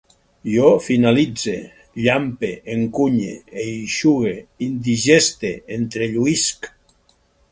Jo finalitze, llampe, encunye, eixugue, indigeste, entrelluïsc